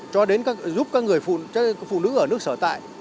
cho đến giúp các người phụ nữ ở nước sở tại